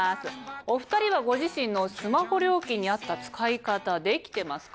お２人はご自身のスマホ料金に合った使い方できてますか？